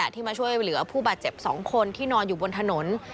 ที่มาช่วยเหลือผู้บาดเจ็บ๒คนที่นอนอยู่บนถนน